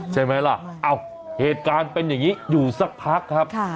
ใช่ไหมล่ะเอ้าเหตุการณ์เป็นอย่างนี้อยู่สักพักครับ